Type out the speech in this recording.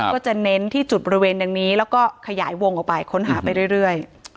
ก็จะเน้นที่จุดบริเวณดังนี้แล้วก็ขยายวงออกไปค้นหาไปเรื่อย